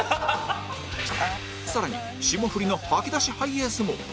更に霜降りの吐き出しハイエースも